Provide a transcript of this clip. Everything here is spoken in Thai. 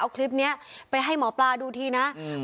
เอาคลิปเนี้ยไปให้หมอปลาดูทีนะอืม